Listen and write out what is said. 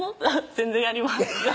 全然やります」